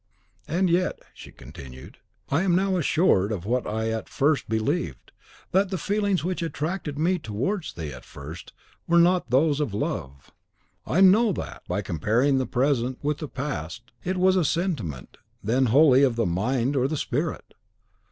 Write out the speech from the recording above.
"And yet," she continued, "I am now assured of what I at first believed, that the feelings which attracted me towards thee at first were not those of love. I know THAT, by comparing the present with the past, it was a sentiment then wholly of the mind or the spirit!